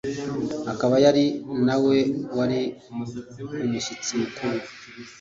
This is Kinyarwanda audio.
akaba yari na we wari umushyitsi mukuru